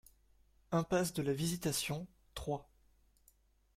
Impasse de la Visitation, Troyes